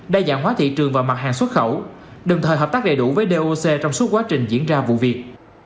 đa dạng hóa thị trường và mặt hàng xuất khẩu đồng thời hợp tác đầy đủ với doc trong suốt quá trình diễn ra vụ việc